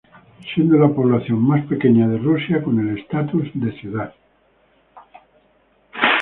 Siendo la población más pequeña de Rusia con el estatus de ciudad.